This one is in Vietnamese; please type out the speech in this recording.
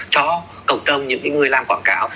cho cộng đồng những người làm quảng cáo